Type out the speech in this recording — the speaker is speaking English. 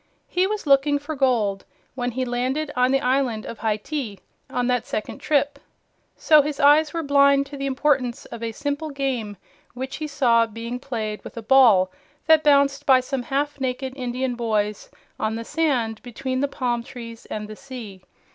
He was looking for gold when he landed on the island of Hayti on that second trip. So his eyes were blind to the importance of a simple game which he saw being played with a ball that bounced by some half naked Indian boys on the sand between the palm trees and the sea.